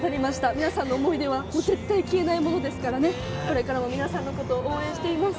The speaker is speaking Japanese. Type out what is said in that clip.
皆さんの思い出は絶対に消えないものですから皆さんのことをこれからも応援しています。